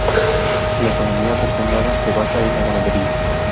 La economía del condado se basa en la ganadería.